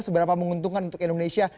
seberapa menguntungkan untuk indonesia